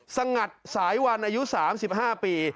สงัดสายวันอายุ๓๕ปี